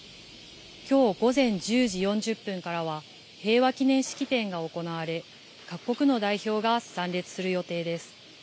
きょう午前１０時４０分からは、平和祈念式典が行われ、各国の代表が参列する予定です。